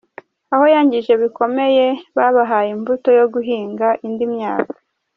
Aho yangije bikomeye babahaye imbuto yo guhinga indi myaka.